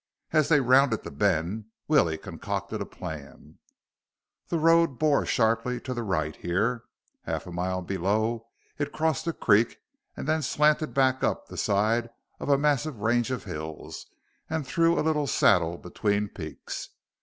As they rounded the bend, Willie concocted a plan. The road bore sharply to the right here. Half a mile below, it crossed a creek and then slanted back up the side of a massive range of hills and through a little saddle between peaks.